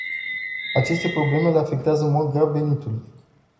Aceste probleme le afectează în mod grav veniturile.